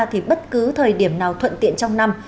thì bất cứ thời điểm nào thuận tiện trong năm